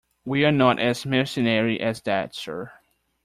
We are not as mercenary as that, sir.